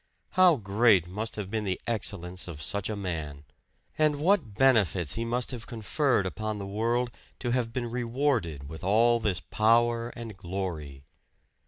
How great must have been the excellence of such a man! And what benefits he must have conferred upon the world, to have been rewarded with all this power and glory!